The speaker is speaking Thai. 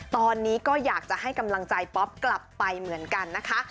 ตอนนี้ก็อยากจะให้กำลังใจป๊อปกลับไปเหมือนกันนะคะ